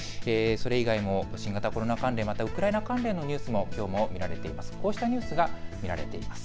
それ以外も新型コロナ関連、またウクライナ関連のニュースもきょうも見られています。